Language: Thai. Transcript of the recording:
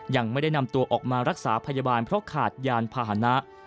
ยังไม่ได้นำตัวออกมารักษาพยาบาลเพราะขาดยานพาหนะ